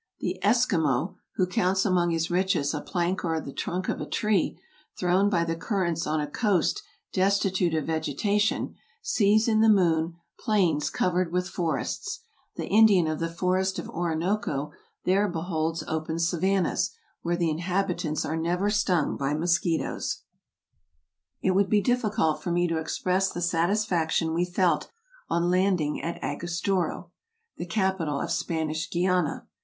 The Esquimaux, who counts among his riches a plank or the trunk of a tree, thrown by the currents on a coast desti tute of vegetation, sees in the moon plains covered with forests ; the Indian of the forest of Orinoco there beholds open savannas, where the inhabitants are never stung by mosquitoes. It would be difficult for me to express the satisfaction we ■ felt on landing at Angostura [the capital of Spanish Guiana].